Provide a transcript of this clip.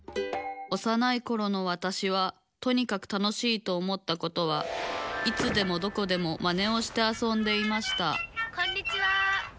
おさないころのわたしはとにかく楽しいと思ったことはいつでもどこでもマネをしてあそんでいましたこんにちは。